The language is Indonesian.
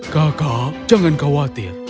kaka jangan khawatir